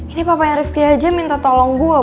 ini papa ya rivki aja minta tolong gue